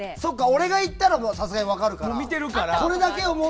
俺が行ったらさすがに分かるから。